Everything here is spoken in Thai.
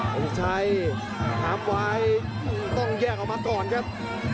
สินชัยตามวายต้องแยกออกมาก่อนครับ